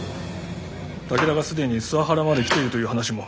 武田が既に諏訪原まで来ているという話も。